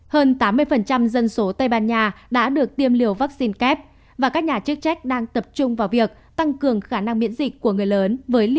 hơn tám mươi dân số tây ban nha đã được tiêm liều vaccine kép và các nhà chức trách đang tập trung vào việc tăng cường khả năng miễn dịch của người lớn